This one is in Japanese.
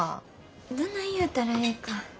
どない言うたらええか。